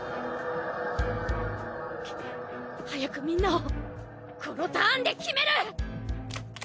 早くみんなをこのターンで決める！